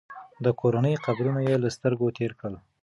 د کورنۍ قبرونه یې له سترګو تېر کړل.